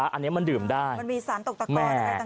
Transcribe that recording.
อันนี้มันดื่มได้มันมีสารตกตะแกรงอะไรต่าง